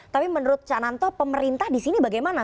tapi menurut cananto pemerintah disini bagaimana